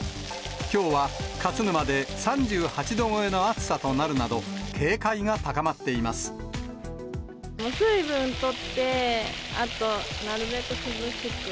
きょうは勝沼で３８度超えの暑さとなるなど、警戒が高まっていま水分とって、あと、なるべく涼しく。